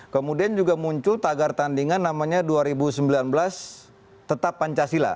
kemudian juga muncul tagar tandingan namanya dua ribu sembilan belas tetap pancasila